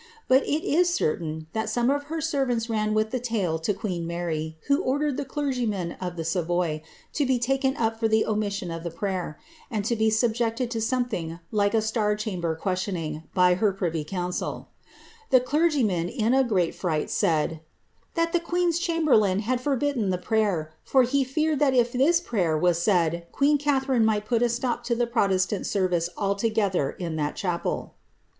But it is certain that some of her servants ran with the tale to queen Mary, who ordered the clergyman of the Savoy to be taken up for the omission of the prayer, and to be subjected to something like a ataixhamber questioning, by her privy counciL The clergyman in a great fright, said, ^that the queen's chamberlain had forbidden the prayer, for he feared that if this prayer were said, queen Catharine Bi^hl put a stop to the protestant service altogether in that chapel."